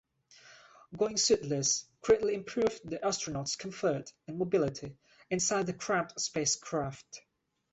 Going suitless greatly improved the astronauts' comfort and mobility inside the cramped spacecraft.